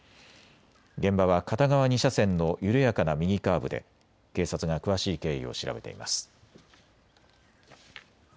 現場は片側２車線の緩やかな右カーブで警察が詳しい経緯を調べています。